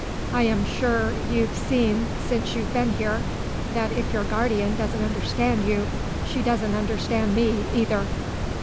I am sure you've seen since you've been here that if your guardian doesn't understand you she doesn't understand me, either."